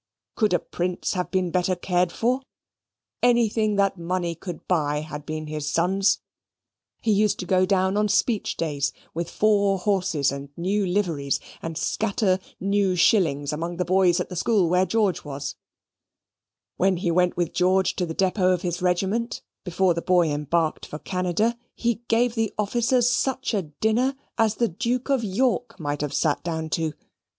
Could a prince have been better cared for? Anything that money could buy had been his son's. He used to go down on speech days with four horses and new liveries, and scatter new shillings among the boys at the school where George was: when he went with George to the depot of his regiment, before the boy embarked for Canada, he gave the officers such a dinner as the Duke of York might have sat down to.